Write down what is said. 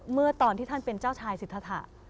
เมื่อตอนที่ท่านเป็นเจ้าชายสิทธา